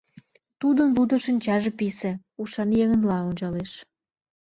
Тудын лудо шинчаже писе, ушан еҥынла ончалеш.